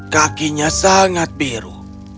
kakinya sangat biru